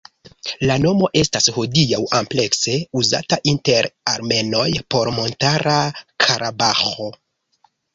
La nomo estas hodiaŭ amplekse uzata inter armenoj por Montara Karabaĥo.